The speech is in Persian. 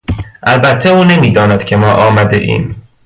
البته او نمیداند که ما آمدهایم.